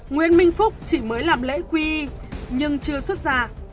nguyễn minh phúc chỉ mới làm lễ quy nhưng chưa xuất ra